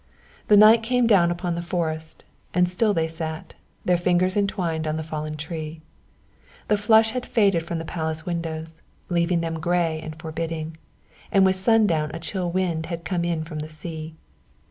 The night came down upon the forest, and still they sat, their fingers entwined, on the fallen tree. The flush had faded from the palace windows, leaving them grey and forbidding, and with sun down a chill wind had come in from the sea.